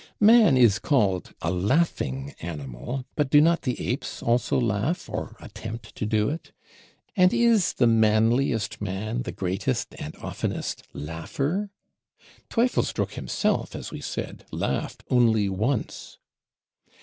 Man is called a Laughing Animal: but do not the apes also laugh, or attempt to do it: and is the manliest man the greatest and oftenest laugher? Teufelsdröckh himself, as we said, laughed only once.